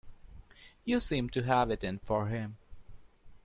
You seem to have it in for him.